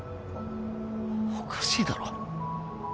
おかしいだろ。